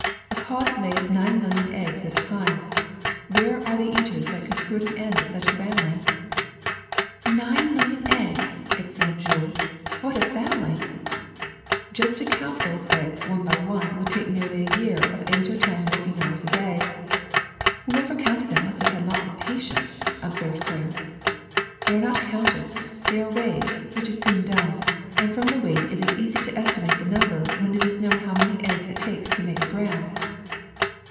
A cod lays nine million eggs at a time ! Where are the eat ers that could put an end to such a family ?'' ^'Nine million eggs!" exclaimed Jules; ^^what a family !'' ^^Just to count these eggs one by one would take nearly a year of eight or ten working hours daily." '^Whoever counted them must have had lots of patience," observed Claire. ''They are not counted; they are weighed, which is soon done ; and from the weight it is easy to esti mate the number when it is know^n how many eggs it takes to make a gram."